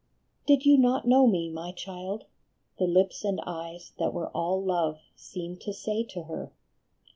"Din you not know Me, my child? " the lips and eyes that were all love seemed to say to her.